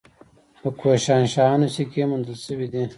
د کوشانشاهانو سکې موندل شوي دي